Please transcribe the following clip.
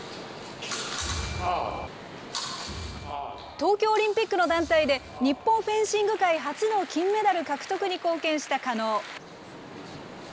東京オリンピックの団体で、日本フェンシング界初の金メダル獲得に貢献した加納。